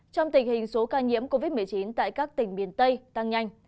trong tình hình số ca nhiễm covid một mươi chín tại các tỉnh miền tây tăng nhanh